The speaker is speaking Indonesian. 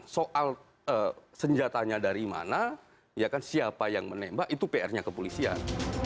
soal senjatanya dari mana siapa yang menembak itu pr nya kepolisian